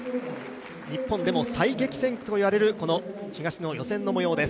日本でも最激戦区といわれるこの東の予選の模様です。